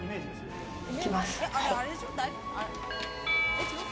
行きます。